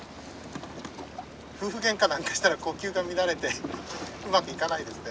夫婦げんかなんかしたら呼吸が乱れてうまくいかないですね。